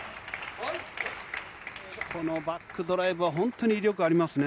このバックドライブは、本当に威力ありますね。